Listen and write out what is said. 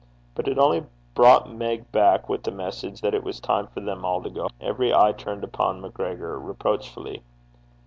But it only brought Meg back with the message that it was time for them all to go home. Every eye turned upon MacGregor reproachfully.